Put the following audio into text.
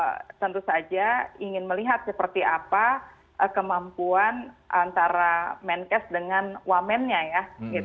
karena saya tentu saja ingin melihat seperti apa kemampuan antara menkes dengan pemerintah